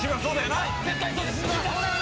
絶対そうです。